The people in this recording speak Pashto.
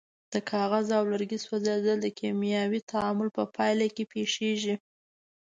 د کاغذ او لرګي سوځیدل د کیمیاوي تعامل په پایله کې پیښیږي.